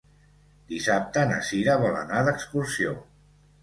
Dissabte na Sira vol anar d'excursió.